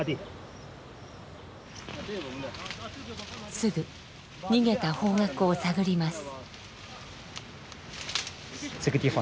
すぐ逃げた方角を探ります。